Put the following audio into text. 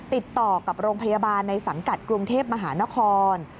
ติดต่อกับโรงพยาบาลในสังกัดกรุงเทพมหานคร